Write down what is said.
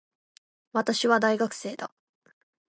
私は、大学生だ。